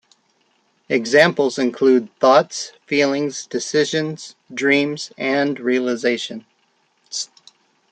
Examples include thoughts, feelings, decisions, dreams, and realizations.